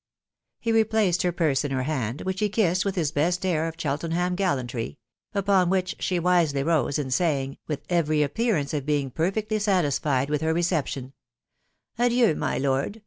He replaced her purse in her hand, which he kissed whs his best air of Cheltenham gallantry ; upon which she wiaay rose, and saying, with every appearance of being; perfectly sa tisfied with her reception, " Adieu, my lord